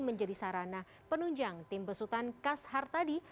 menjadi sarana penunjang tim besutan kas hartadi